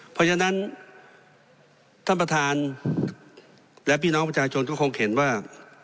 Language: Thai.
เพราะฉะนั้นท่านประธานและพี่น้องประชาชนก็คงเห็นว่า